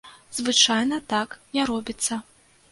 Звычайна так не робіцца.